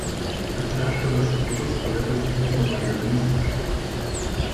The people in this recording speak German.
Des Herstellers Produktpalette ist mittlerweile riesig.